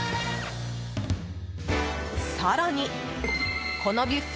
更に、このビュッフェ